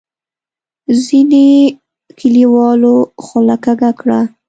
ځینو کلیوالو خوله کږه کړه.